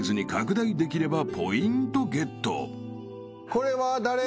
これは誰？